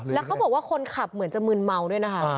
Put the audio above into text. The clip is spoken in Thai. แล้วเขาบอกว่าคนขับเหมือนจะมืนเมาด้วยนะคะ